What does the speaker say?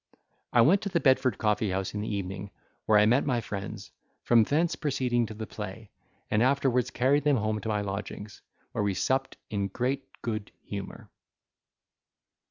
I went to the Bedford Coffee house in the evening, where I met my friends, from thence proceeded to the play, and afterwards carried them home to my lodgings, where we supped in great good humour.